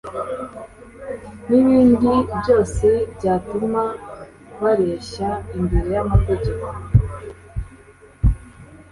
n’ibindi byose byatuma bareshya imbere y’amategeko.